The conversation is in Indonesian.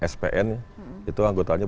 spn itu anggota anggota